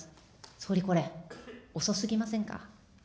総理これ、遅すぎませんか。